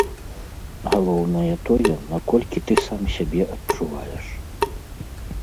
Галоўнае тое, наколькі ты сам сябе адчуваеш.